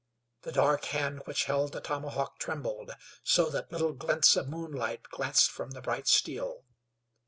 The dark hand which held the tomahawk trembled so that little glints of moonlight glanced from the bright steel.